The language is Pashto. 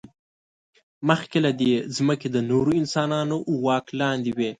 مخکې له دې، ځمکې د نورو انسانانو واک لاندې وې.